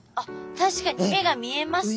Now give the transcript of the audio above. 確かに目が見えますね